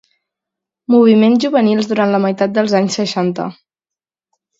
Moviments juvenils durant la meitat dels anys seixanta.